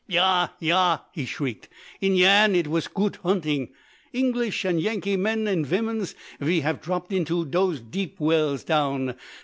"Ja! Ja!" he shrieked, "in Yian it vas a goot hunting! English and Yankee men und vimmens ve haff dropped into dose deep wells down.